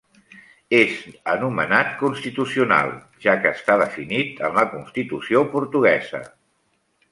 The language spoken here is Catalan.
És anomenat Constitucional, ja que està definit en la constitució portuguesa.